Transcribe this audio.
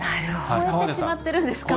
超えてしまってるんですか？